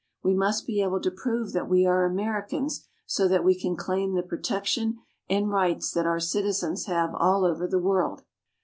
We must be able to prove that we are Americans, so that we can claim the protection and rights that our citizens have all over the world.